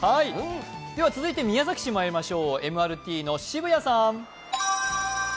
続いて、宮崎市まいりましょうＭＲＴの澁谷さん。